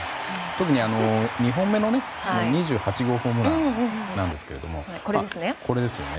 特に２本目の２８号ホームランなんですけれども。